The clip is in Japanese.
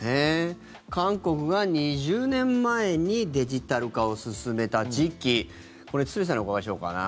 韓国が２０年前にデジタル化を進めた時期これ、堤さんにお伺いしようかな。